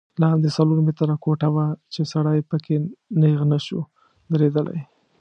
لاندې څلور متره کوټه وه چې سړی په کې نیغ نه شو درېدلی.